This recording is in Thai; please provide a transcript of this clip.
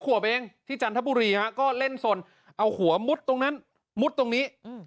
ขวบเองที่จันทบุรีฮะก็เล่นสนเอาหัวมุดตรงนั้นมุดตรงนี้